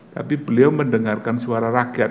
tapi beliau mendengarkan suara rakyat